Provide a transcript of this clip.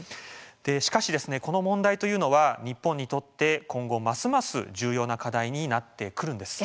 しかしこの問題は、日本にとって今後ますます重要な課題になってくるんです。